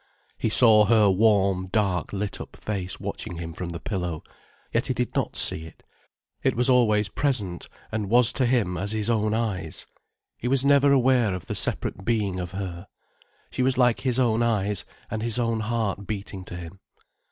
He saw her warm, dark, lit up face watching him from the pillow—yet he did not see it—it was always present, and was to him as his own eyes. He was never aware of the separate being of her. She was like his own eyes and his own heart beating to him.